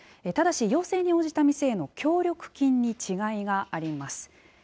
ただし、要請に応じた店への協力金に違いがあります。